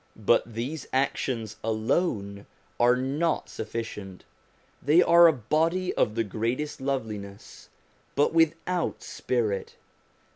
But these actions alone are not sufficient ; they are a body of the greatest loveliness, but without spirit.